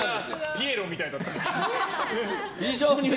ピエロみたいだったな。